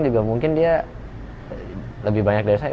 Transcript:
juga mungkin dia lebih banyak dari saya